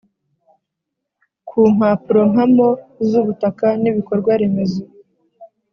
ku mpapurompamo z ubutaka n ibikorwa remezo